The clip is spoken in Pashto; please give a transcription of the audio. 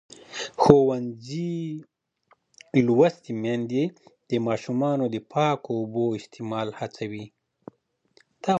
ښوونځې لوستې میندې د ماشومانو د پاکو اوبو استعمال هڅوي.